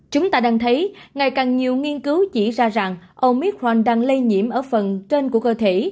chúng ta đang thấy ngày càng nhiều nghiên cứu chỉ ra rằng omitrank đang lây nhiễm ở phần trên của cơ thể